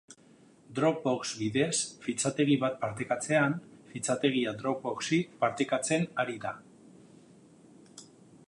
Dropbox bidez fitxategi bat partekatzean, fitxategia Dropboxi partekatzen ari da.